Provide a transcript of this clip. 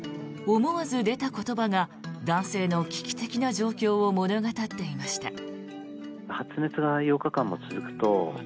思わず出た言葉が男性の危機的な状況を物語っていました。